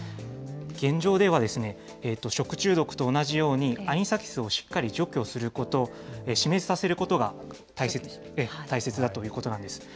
現状では食中毒と同じように、アニサキスをしっかり除去すること、死滅させることが大切だということなんです。